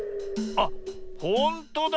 あっほんとだ！